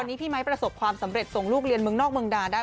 อันนี้พี่ไมค์ประสบความสำเร็จส่งลูกเรียนเมืองนอกเมืองดาได้